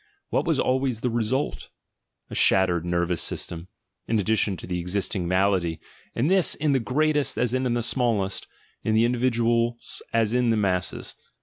What was always the "result"? A shattered nervous system, in addition to the existing malady, and this in the greatest in the smallest, in the individuals as in masses.